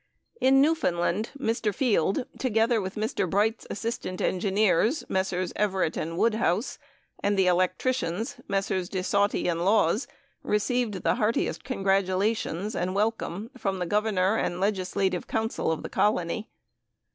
In Newfoundland, Mr. Field, together with Mr. Bright's assistant engineers, Messrs. Everett and Woodhouse, and the electricians, Messrs, de Sauty and Laws, received the heartiest congratulations and welcome from the Governor and Legislative Council of the colony.